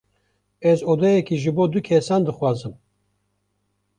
Ez odeyeke ji bo du kesan dixwazim.